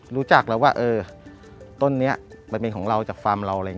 รู้จักแล้วว่าต้นนี้มันเป็นของเราจากฟาร์มเรา